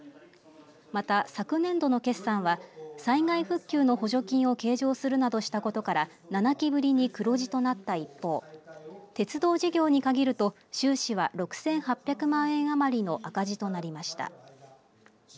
また、昨年度の決算は最大復旧の補助金を計上するなどしたことから７期ぶりに黒字となった一方鉄道事業に限ると収支は６８００万円余りの赤字となりました。